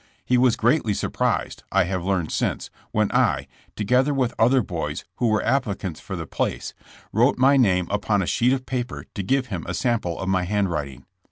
He was greatly surprised, I have learned since, when I, together with other boys who were applicants for the place, wrote my name upon a sheet of paper to give him a sample of my handwriting.